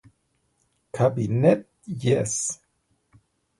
Kabinett Jess